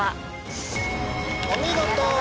お見事！